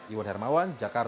iwan hermawan jalan jalan menara